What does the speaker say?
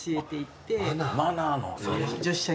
マナーの。